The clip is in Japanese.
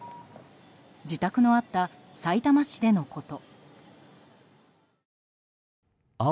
自宅のあったさいたま市でのこと。